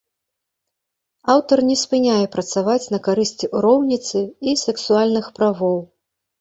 Аўтар не спыняе працаваць на карысць роўніцы і сексуальных правоў.